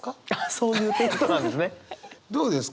そういうテイストなんですね。